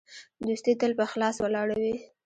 دوستي تل په اخلاص ولاړه وي.